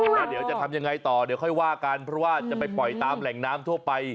แล้วเดี๋ยวจะทำยังไงต่อเดี๋ยวค่อยว่ากันเพราะว่าจะไปปล่อยตามแหล่งน้ำทั่วไป